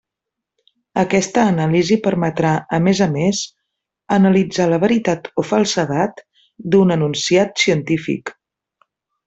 Aquesta anàlisi permetrà, a més a més, analitzar la veritat o falsedat d'un enunciat científic.